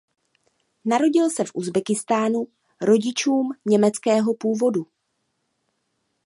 Narodil se v Uzbekistánu rodičům německého původu.